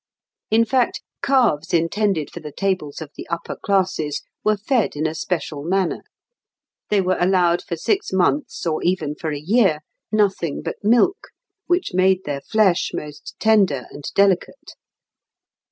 In fact, calves intended for the tables of the upper classes were fed in a special manner: they were allowed for six months, or even for a year, nothing but milk, which made their flesh most tender and delicate.